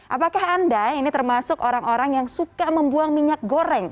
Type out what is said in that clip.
apakah anda ini termasuk orang orang yang suka membuang minyak goreng